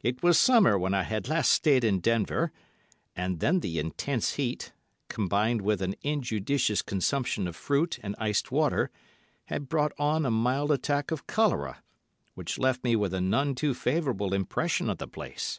It was summer when I had last stayed in Denver, and then the intense heat, combined with an injudicious consumption of fruit and iced water, had brought on a mild attack of cholera, which left me with a none too favourable impression of the place.